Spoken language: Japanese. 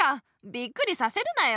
びっくりさせるなよ。